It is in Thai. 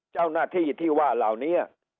เจ้าหน้าที่ที่ว่าเหล่านี้